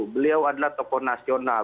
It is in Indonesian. beliau adalah tokoh nasional